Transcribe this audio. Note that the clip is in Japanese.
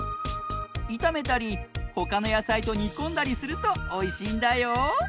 いためたりほかのやさいとにこんだりするとおいしいんだよ。